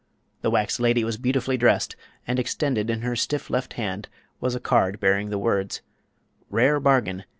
The wax lady was beautifully dressed, and extended in her stiff left hand was a card bearing the words: "RARE BARGIN!